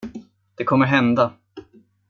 Det kommer hända.